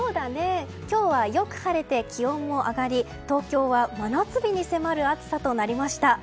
今日はよく晴れて気温も上がり、東京は真夏日に迫る暑さとなりました。